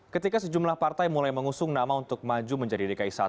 ketika sejumlah partai mulai mengusung nama untuk maju menjadi dki satu